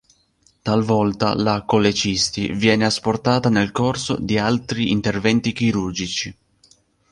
Talvolta la colecisti viene asportata nel corso di altri interventi chirurgici.